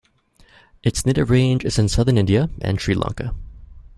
Its native range is in southern India and Sri Lanka.